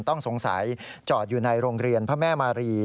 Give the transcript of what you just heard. ต้องสงสัยจอดอยู่ในโรงเรียนพระแม่มารี